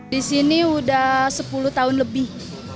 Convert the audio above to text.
di sini sudah sepuluh tahun lebih